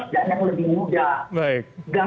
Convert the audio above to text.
dan yang lebih mudah